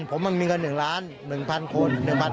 ผมมันมีเงิน๑ล้าน๑๐๐คน